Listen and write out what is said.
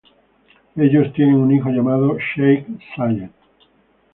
Ellos tienen un hijo llamado Sheikh Zayed.